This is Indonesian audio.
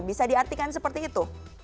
bisa diartikan seperti itu